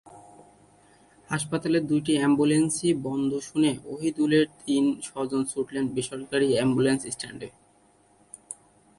হাসপাতালের দুটি অ্যাম্বুলেন্সই বন্ধ শুনে অহিদুলের তিন স্বজন ছুটলেন বেসরকারি অ্যাম্বুলেন্সের স্ট্যান্ডে।